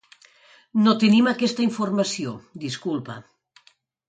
No tenim aquesta informació, disculpa.